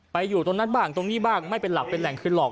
อยู่ตรงนั้นบ้างตรงนี้บ้างไม่เป็นหลักเป็นแหล่งคือหลอก